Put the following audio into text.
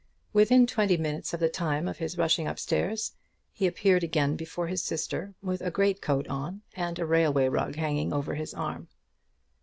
Within twenty minutes of the time of his rushing up stairs he appeared again before his sister with a great coat on, and a railway rug hanging over his arm.